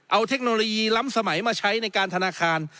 เอาเทคโนโลยีล้ำสมัยมาใช้ในการธนาคาร